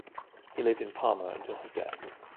He lived in Parma until his death.